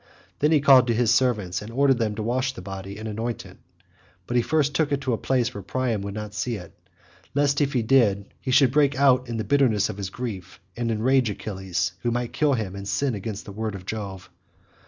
Then he called to his servants and ordered them to wash the body and anoint it, but he first took it to a place where Priam should not see it, lest if he did so, he should break out in the bitterness of his grief, and enrage Achilles, who might then kill him and sin against the word of Jove.